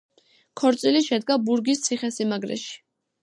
ქორწილი შედგა ბურგის ციხესიმაგრეში.